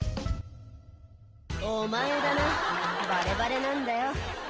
お前だなバレバレなんだよ